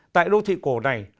tại đô thị cổ này